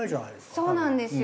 そうなんですよ。